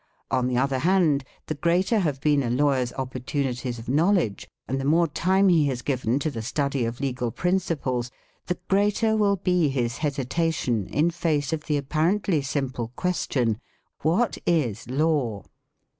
On the other hand, the greater have been a lawyer's opportunities of knowledge, and the more time he has given to the study of legal principles, the greater will be his hesitation in face of the apparently simple question, What is Law?"